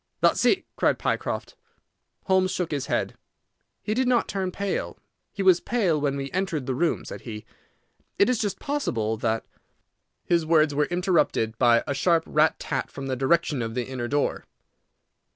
"That's it," cried Pycroft. Holmes shook his head. "He did not turn pale. He was pale when we entered the room," said he. "It is just possible that—" His words were interrupted by a sharp rat tat from the direction of the inner door.